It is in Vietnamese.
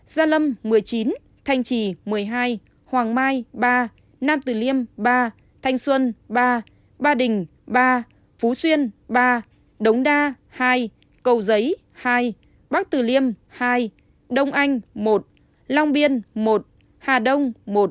gia lâm một mươi chín thanh trì một mươi hai hoàng mai ba nam tử liêm ba thanh xuân ba ba đình ba phú xuyên ba đống đa hai cầu giấy hai bắc tử liêm hai đông anh một long biên một hà đông